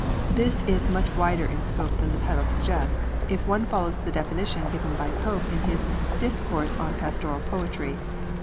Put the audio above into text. This is much wider in scope than the title suggests, if one follows the definition given by Pope in his 'Discourse on Pastoral Poetry.'